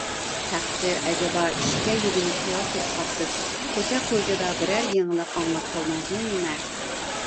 تەخسىر، ئەجەبا، ئىشىككە يۆلىنىپ خىيال سۈرۈپ قاپسىز، كوچا - كويلىدا بىرەر يېڭىلىق ئاڭلاپ قالدىڭىزمۇ نېمە؟